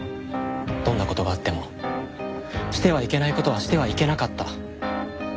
どんな事があってもしてはいけない事はしてはいけなかった。